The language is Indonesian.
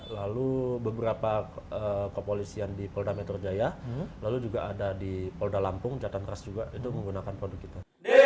lalu beberapa kepolisian di polda metro jaya lalu juga ada di polda lampung jatan keras juga itu menggunakan produk kita